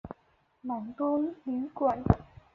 蛮多旅馆的